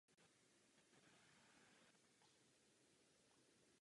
Je vytrvalý a temperamentní.